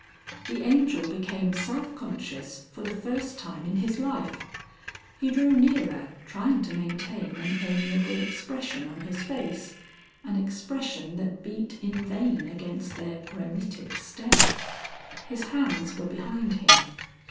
The Angel became self conscious for the first time in his life. He drew nearer, trying to maintain an amiable expression on his face, an expression that beat in vain against their granitic stare. His hands were behind him.